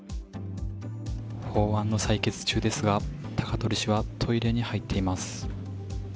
法案の採決中ですが高鳥氏はトイレに入っています。